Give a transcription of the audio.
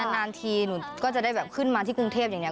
นานทีหนูก็จะได้แบบขึ้นมาที่กรุงเทพอย่างนี้